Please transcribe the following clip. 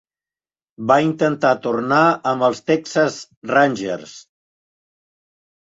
Va intentar tornar amb els Texas Rangers.